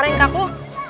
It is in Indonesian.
arahin ke aku